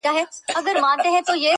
بیا د صمد خان او پاچاخان حماسه ولیکه!!